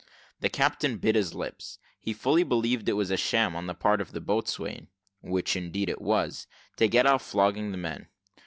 The captain bit his lips; he fully believed it was a sham on the part of the boatswain (which indeed it was), to get off flogging the men.